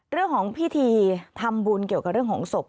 เรื่องของพิธีทำบุญเกี่ยวกับเรื่องของศพ